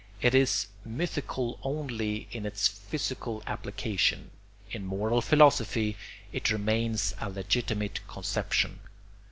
It is mythical only in its physical application; in moral philosophy it remains a legitimate conception.